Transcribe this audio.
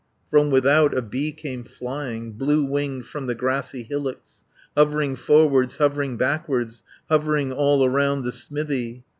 From without a bee came flying, Blue winged from the grassy hillocks, 220 Hovering forwards, hovering backwards, Hovering all around the smithy.